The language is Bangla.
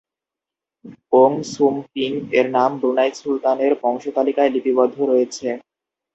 ওং সুম পিং এর নাম ব্রুনাই সুলতানের বংশতালিকায় লিপিবদ্ধ রয়েছে।